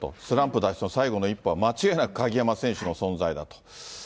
スランプ脱出の最後の一歩は間違いなく鍵山選手の存在だと。